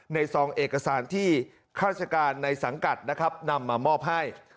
ในสองเอกสารที่ฆาติการในสังกัดนำมามอบให้